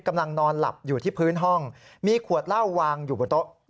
กำลังนอนหลับอยู่ที่พื้นห้องมีขวดเหล้าวางอยู่บนโต๊ะ